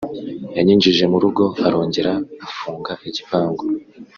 yanyinjije mu rugo arongera afunga igipangu